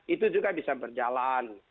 itu juga bisa berjalan